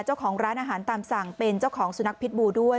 เจ้าของร้านอาหารตามสั่งเป็นเจ้าของสุนัขพิษบูด้วย